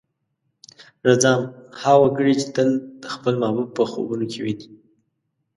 رځام: هغه وګړی چې تل خپل محبوب په خوبونو کې ويني.